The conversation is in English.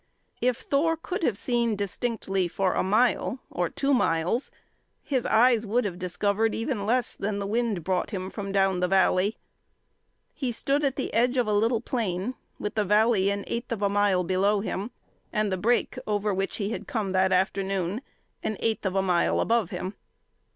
If Thor could have seen distinctly for a mile, or two miles, his eyes would have discovered even less than the wind brought to him from down the valley. He stood at the edge of a little plain, with the valley an eighth of a mile below him, and the break over which he had come that afternoon an eighth of a mile above him.